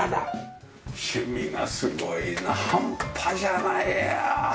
趣味がすごいなハンパじゃないや。